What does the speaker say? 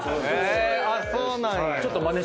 へぇそうなんや。